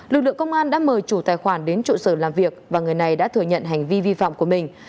lực lượng công an đã mời chủ tài khoản đến trụ sở làm việc và người này đã thừa nhận hành vi vi phạm của mình